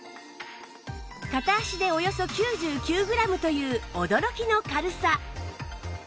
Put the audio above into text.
片足でおよそ９９グラムという驚きの軽さ！